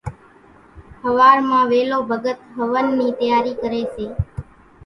ۿوار مان ويلو ڀڳت هونَ نِي تياري ڪريَ سي۔